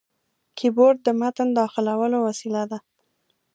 کیبورډ د متن داخلولو وسیله ده.